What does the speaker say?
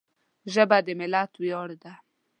ژبه د ملت ویاړ ده